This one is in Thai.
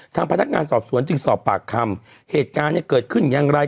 ทางพนักงานสอบสวนจึงสอบปากคำเหตุการณ์เนี่ยเกิดขึ้นอย่างไร